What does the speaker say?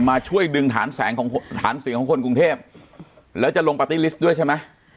มาช่วยดึงฐานแสงของฐานเสียงของคนกรุงเทพแล้วจะลงปาร์ตี้ลิสต์ด้วยใช่ไหม